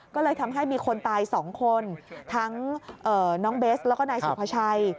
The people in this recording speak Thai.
ก็เลยทำให้มีคนตาย๒คนทั้งน้องเบสแล้วก็นายสุภาชัย